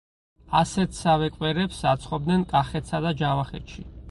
ასეთსავე კვერებს აცხობდნენ კახეთსა და ჯავახეთში.